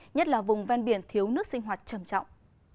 nhất là vùng ven biển thiếu nước sinh hoạt trầm trọng